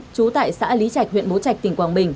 trú tại xã lý trạch huyện bố trạch tỉnh quảng bình